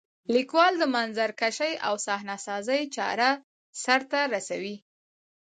لیکوال د منظرکشۍ او صحنه سازۍ چاره سرته رسوي.